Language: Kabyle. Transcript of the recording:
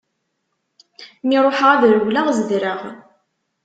Mi ruḥeɣ ad rewleɣ zedreɣ.